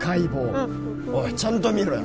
おいちゃんと見ろよ